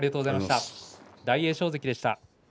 大栄翔関でした。